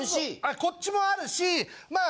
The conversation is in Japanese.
こっちもあるしまあ